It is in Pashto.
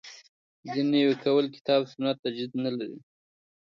دین نوی کول کتاب سنت تجدید نه لري.